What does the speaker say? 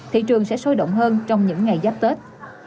thị trường sẽ sôi động hơn trong những ngày giáp tết